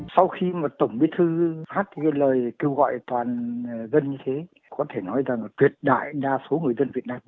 sau khi tổng bí thư phát lời kêu gọi toàn dân như thế có thể nói là tuyệt đại đa số người dân việt nam